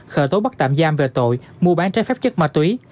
khởi tố bắt tạm giam về tội mua bán trái phép chất ma túy